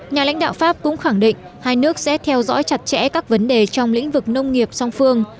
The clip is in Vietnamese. nhà lãnh đạo pháp cũng khẳng định hai nước sẽ theo dõi chặt chẽ các vấn đề trong lĩnh vực nông nghiệp song phương